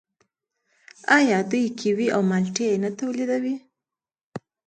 آیا دوی کیوي او مالټې نه تولیدوي؟